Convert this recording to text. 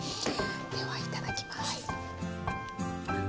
ではいただきます。